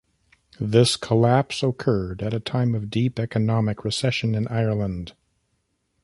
This collapse occurred at a time of deep economic recession in Ireland.